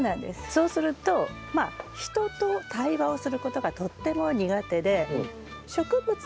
そうするとまあ人と対話をすることがとっても苦手で。